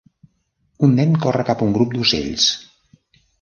Un nen corre cap a un grup d'ocells.